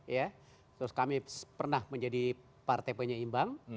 ya terus kami pernah menjadi partai penyeimbang